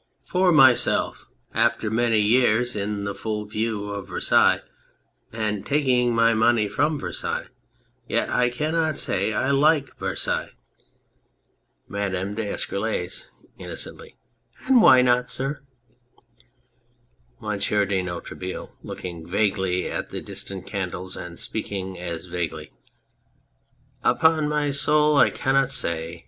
For myself, after many years in the full view of Versailles and taking my money from Versailles, yet I cannot say I like Versailles. MADAME D'ESCUROLLES (innocently}. And why not, sir? MONSIEUR DE NOIRETABLE (looking vaguely at the distant cand'es and speaking as vaguely}. Upon my soul I cannot say